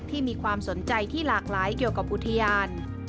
มีความสนใจที่หลากหลายเกี่ยวกับอุทยาน